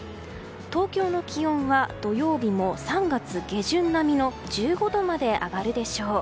東京の気温は土曜日も３月下旬並みの１５度まで上がるでしょう。